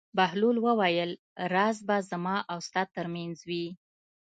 بهلول وویل: راز به زما او ستا تر منځ وي.